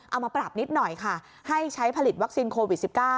เอามาปรับนิดหน่อยค่ะให้ใช้ผลิตวัคซีนโควิด๑๙